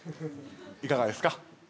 いかがですか？